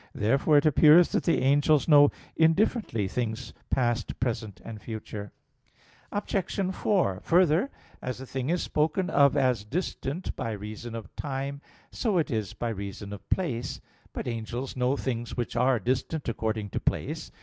Therefore it appears that the angels know indifferently things past, present, and future. Obj. 4: Further, as a thing is spoken of as distant by reason of time, so is it by reason of place. But angels know things which are distant according to place.